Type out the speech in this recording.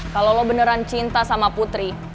kalau lo beneran cinta sama putri